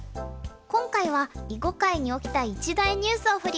今回は囲碁界に起きた一大ニュースを振り返っていきます。